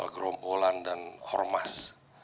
gerombolan dan ormas